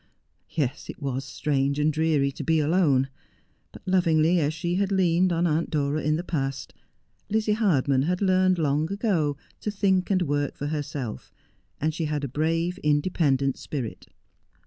Ye 1 ', it was strange and dreary to be alone ; but lovingly as she had leaned on Aunt Dora in the past, Lizzie Hardman had learned long ago to think and work for herself, and she bad a brave, independent spirit.